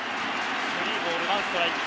スリーボールワンストライク。